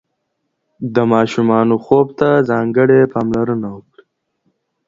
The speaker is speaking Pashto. د ماشومانو خوب ته ځانګړې پاملرنه وکړئ.